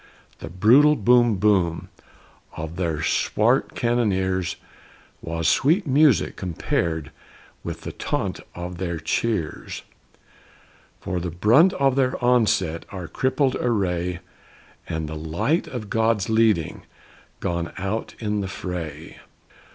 The brutal boom boom of their swart cannoneers Was sweet music compared with the taunt of their cheers For the brunt of their onset, our crippled array, And the light of God's leading gone out in the fray!